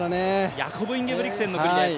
ヤコブ・インゲブリクセンの国です。